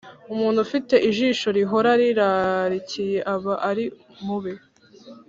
Umuntu ufite ijisho rihora rirarikiye, aba ari mubi,